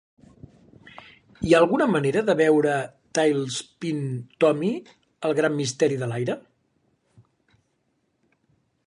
Hi ha alguna manera de veure "Tailspin Tommy al gran misteri de l'aire"?